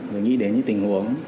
rồi nghĩ đến những tình huống